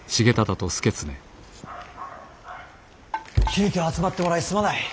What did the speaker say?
急きょ集まってもらいすまない。